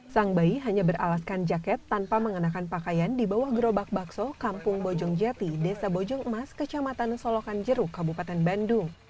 sang bayi hanya beralaskan jaket tanpa mengenakan pakaian di bawah gerobak bakso kampung bojong jati desa bojong emas kecamatan solokan jeruk kabupaten bandung